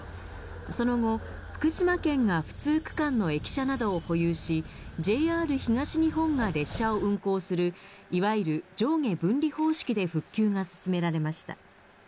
その後、福島県が、不通区間の駅舎などを保有し、ＪＲ東日本が列車を運行する、いわゆる上下分離方式で復旧が進められました。